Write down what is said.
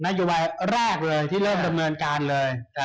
นักยุวรายรากเลยที่เริ่มระเบินการเลย